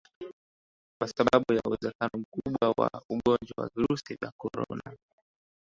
kwa sababu ya uwezekano mkubwa wa Ugonjwa wa Virusi vya Korona